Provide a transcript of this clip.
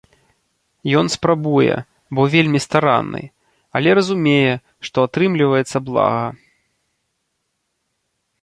Ён спрабуе, бо вельмі старанны, але разумее, што атрымліваецца блага.